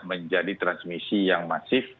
menjadi transmisi yang masif